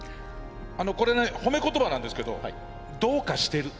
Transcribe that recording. あのこれ褒め言葉なんですけどどうかしてる。